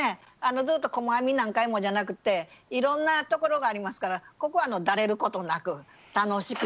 ずっと細編み何回もじゃなくっていろんなところがありますからここはダレることなく楽しく。